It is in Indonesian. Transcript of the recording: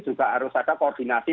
juga harus ada koordinasi